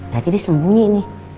nanti dia sembunyi nih